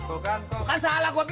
udah udah duduk